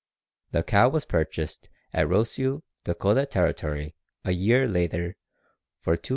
The cow was purchased at Rosseau, Dakota Territory, a year later, for $225.